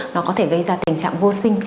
nó có thể gây ra tình trạng vô sinh